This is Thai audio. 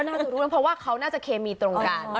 น่าจะรู้เพราะเขาน่าจะเคมีตรงกัน